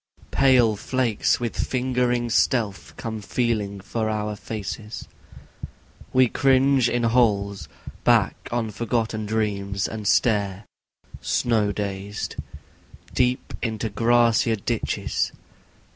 II Pale flakes with lingering stealth come feeling for our faces We cringe in holes, back on forgotten dreams, and stare, snow dazed, Deep into grassier ditches.